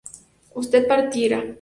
usted partiera